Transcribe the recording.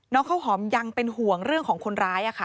น้องเข้าหอมยังเป็นห่วงเรื่องของคนร้ายอะค่ะ